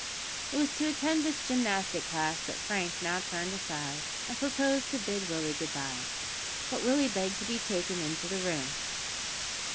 It was to attend this gymnastic class that Frank now turned aside, and proposed to bid Willie goodbye; but Willie begged to be taken into the room.